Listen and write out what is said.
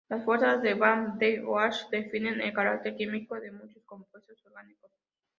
Las fuerzas de Van der Waals definen el carácter químico de muchos compuestos orgánicos.